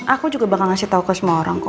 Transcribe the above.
aku juga bakal ngasih tau ke semua orang kok